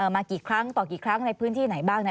มากี่ครั้งต่อกี่ครั้งในพื้นที่ไหนบ้าง